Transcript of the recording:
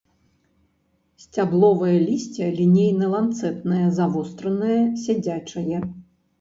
Сцябловае лісце лінейна-ланцэтнае, завостранае, сядзячае.